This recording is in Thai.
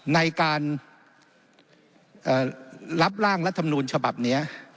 ในการรับร่างรัฐมนูลฉบับนี้